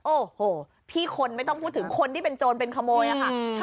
โอ้โหพี่คนไม่ต้องพูดถึงคนที่เป็นโจรเป็นขโมยค่ะ